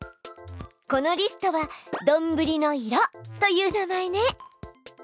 このリストは「どんぶりの色」という名前ね。